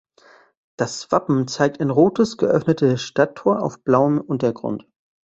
Das Wappen zeigt ein rotes geöffnetes Stadttor auf blauem Untergrund.